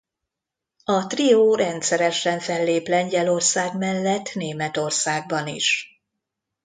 A trió rendszeresen fellép Lengyelország mellett Németországban is.